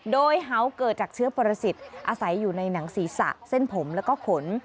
โดยเห่าเกิดจากเชื้อประสิทธิ์อาศัยอยู่ในหนังศีรษะเส้นผมแล้วก็ขน